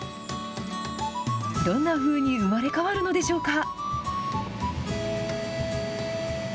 どんなふうに生まれ変わるのでしょうか。